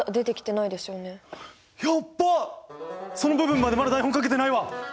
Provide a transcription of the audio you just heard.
その部分までまだ台本書けてないわ。